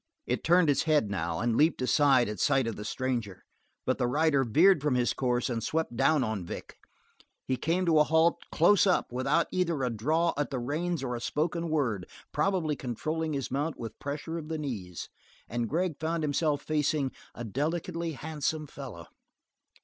It turned its head now, and leaped aside at sight of the stranger, but the rider veered from his course and swept down on Vic. He came to a halt close up without either a draw at the reins or a spoken word, probably controlling his mount with pressure of the knees, and Gregg found himself facing a delicately handsome fellow.